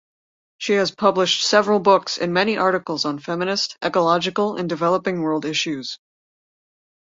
She has published several books and many articles on feminist, ecological and developing-world issues.